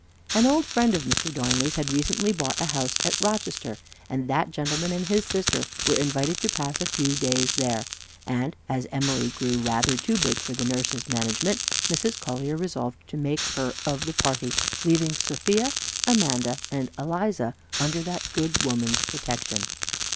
An old friend of Mr. Darnley's had recently bought a house at Rochester, and that gentleman and his sister were invited to pass a few days there, and as Emily grew rather too big for the nurse's management Mrs. Collier resolved to make her of the party, leaving Sophia, Amanda, and Eliza under that good woman's protection.